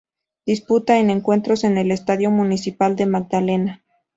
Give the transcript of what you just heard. Disputa sus encuentros en el Estadio Municipal La Magdalena.